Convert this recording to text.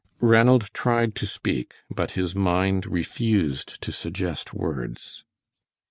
Ranald tried to speak, but his mind refused to suggest words.